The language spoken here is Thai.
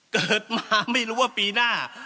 เกิดมาไม่รู้ว่าปีหน้า